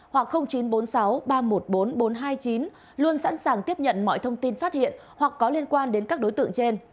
hoặc chín trăm bốn mươi sáu ba trăm một mươi bốn bốn trăm hai mươi chín luôn sẵn sàng tiếp nhận mọi thông tin phát hiện hoặc có liên quan đến các đối tượng trên